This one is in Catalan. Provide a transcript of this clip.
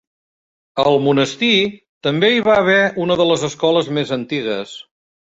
Al monestir també hi va haver una de les escoles més antigues.